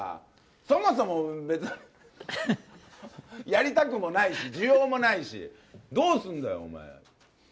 そもそも別に、やりたくもないし、需要もないし、どうすんだよ、お前。